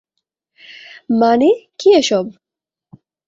মানে, কী এসব?